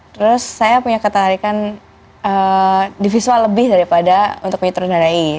terus saya punya ketarikan di visual lebih daripada untuk mitra dadai